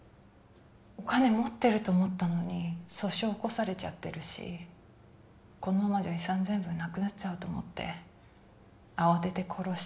お金持ってると思ったのに訴訟起こされちゃってるしこのままじゃ遺産全部なくなっちゃうと思って慌てて殺して